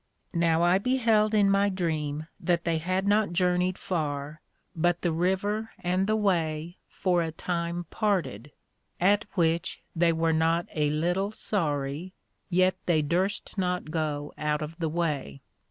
Now I beheld in my Dream, that they had not journeyed far, but the River and the way for a time parted; at which they were not a little sorry, yet they durst not go out of the way.